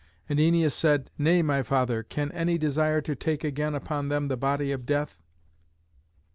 And Æneas said, "Nay, my father, can any desire to take again upon them the body of death?"